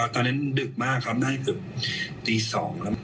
ตอนนั้นดึกมากครับนั่นคือตี๒แล้ว